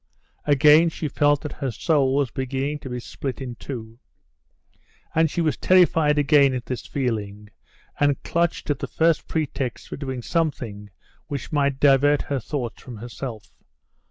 Again she felt that her soul was beginning to be split in two. She was terrified again at this feeling, and clutched at the first pretext for doing something which might divert her thoughts from herself.